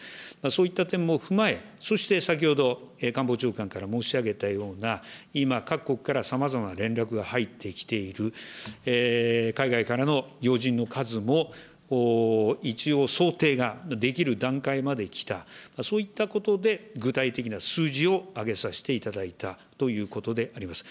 そういった点も踏まえ、そして先ほど、官房長官から申し上げたような、今、各国からさまざま連絡が入ってきている、海外からの要人の数も、一応、想定ができる段階まできた、そういったことで、具体的な数字を挙げさせていただいたということであります。